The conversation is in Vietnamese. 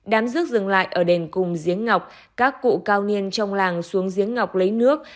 đám rước dừng lại ở đền cùng giếng ngọc các cụ cao niên trong làng xuống giếng ngọc lấy nước